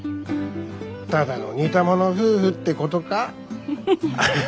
ただの似た者夫婦ってことか。